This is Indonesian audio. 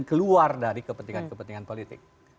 keluar dari kepentingan kepentingan politik